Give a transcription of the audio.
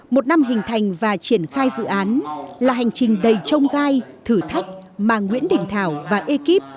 một năm hình thành và triển khai dự án là hành trình đầy trông gai thử thách mà nguyễn đình thảo và ekip